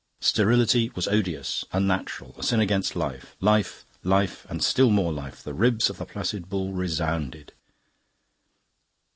Sterility was odious, unnatural, a sin against life. Life, life, and still more life. The ribs of the placid bull resounded.